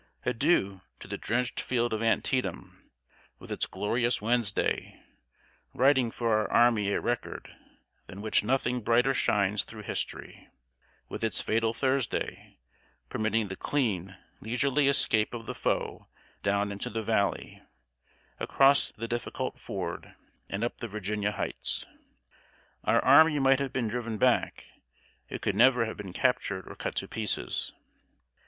Adieu to the drenched field of Antietam, with its glorious Wednesday, writing for our army a record than which nothing brighter shines through history; with its fatal Thursday, permitting the clean, leisurely escape of the foe down into the valley, across the difficult ford, and up the Virginia Hights! Our army might have been driven back; it could never have been captured or cut to pieces.